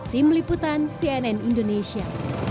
tim liputan cnn indonesia